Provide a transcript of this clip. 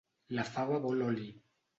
La fava vol oli.